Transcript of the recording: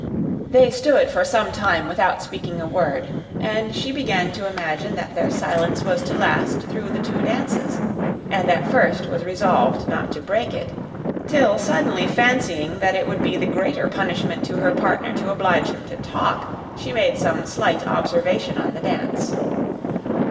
They stood for some time without speaking a word; and she began to imagine that their silence was to last through the two dances, and, at first, was resolved not to break it; till suddenly fancying that it would be the greater punishment to her partner to oblige him to talk, she made some slight observation on the dance.